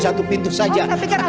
satu pintu saja